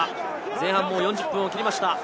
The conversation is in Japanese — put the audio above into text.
前半４０分を切りました。